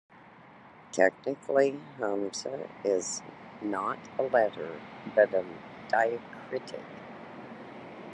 Technically, hamze is not a letter but a diacritic.